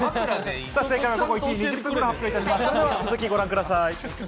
正解は午後１時２０分頃に発表します。